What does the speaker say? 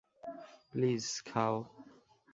Please, খাও।